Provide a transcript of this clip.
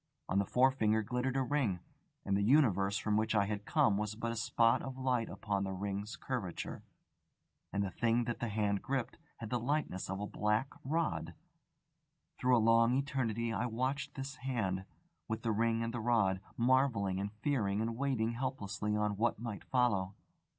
On the forefinger glittered a ring; and the universe from which I had come was but a spot of light upon the ring's curvature. And the thing that the hand gripped had the likeness of a black rod. Through a long eternity I watched this Hand, with the ring and the rod, marvelling and fearing and waiting helplessly on what might follow.